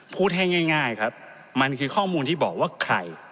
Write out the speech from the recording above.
พูดให้ง่ายครับมันคือข้อมูลที่บอกว่าใคร